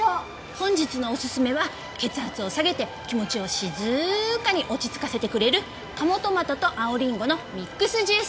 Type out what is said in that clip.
本日のおすすめは血圧を下げて気持ちを静かに落ち着かせてくれる賀茂とまとと青リンゴのミックスジュース。